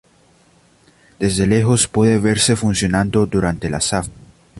Desde lejos puede verse funcionando durante la zafra.